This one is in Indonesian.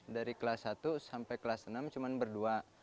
dari kelas satu sampai kelas enam cuma berdua